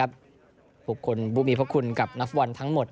บุคคลมีพระคุณกับนัฟวัลทั้งหมด